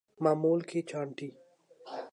معمول کی چھانٹی